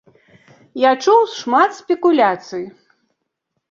Я чуў шмат спекуляцый.